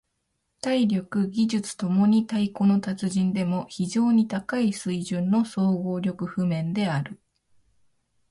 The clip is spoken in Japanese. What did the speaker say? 体力・技術共に太鼓の達人でも非常に高い水準の総合力譜面である。